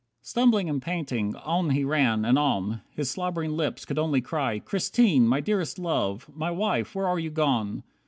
60 Stumbling and panting, on he ran, and on. His slobbering lips could only cry, "Christine! My Dearest Love! My Wife! Where are you gone?